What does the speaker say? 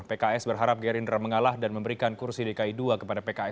pks berharap gerindra mengalah dan memberikan kursi dki dua kepada pks